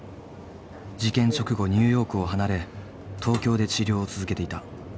事件直後ニューヨークを離れ東京で治療を続けていた。